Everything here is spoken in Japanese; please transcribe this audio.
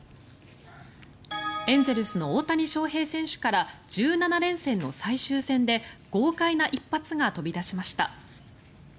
エンゼルスの大谷翔平選手から１７連戦の最終戦で豪快な一発が飛び出しました。